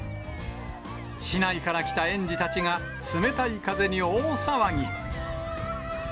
市内から来た園児たちが、冷たい風に大騒ぎ。